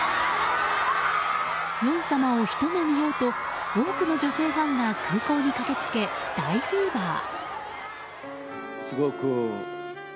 ヨン様をひと目見ようと多くの女性ファンが空港に駆けつけ、大フィーバー。